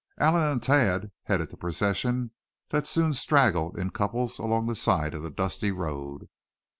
Allan and Thad headed the procession that soon straggled in couples along the side of the dusty road.